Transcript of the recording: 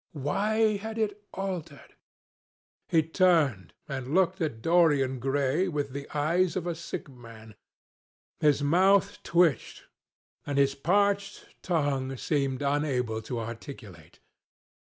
Why had it altered? He turned and looked at Dorian Gray with the eyes of a sick man. His mouth twitched, and his parched tongue seemed unable to articulate.